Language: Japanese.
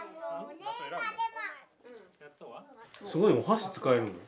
すごいお箸使えるの？